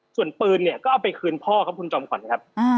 ส่วนปืนเนี่ยก็เอาไปคืนพ่อครับคุณจอมขวัญครับ